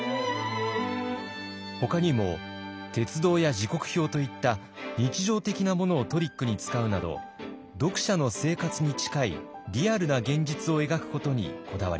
ほかにも鉄道や時刻表といった日常的なものをトリックに使うなど読者の生活に近いリアルな現実を描くことにこだわりました。